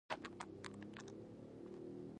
کورنیو شخړو او صیهیونېستي بلوسنو لوټلی.